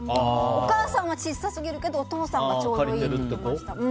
お母さんは小さすぎるけどお父さんがちょうどいいって言っていました。